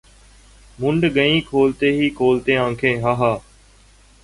مُند گئیں کھولتے ہی کھولتے آنکھیں ہَے ہَے!